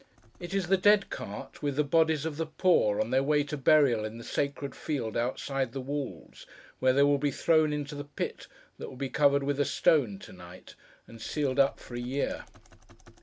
It is the Dead Cart, with the bodies of the poor, on their way to burial in the Sacred Field outside the walls, where they will be thrown into the pit that will be covered with a stone to night, and sealed up for a year.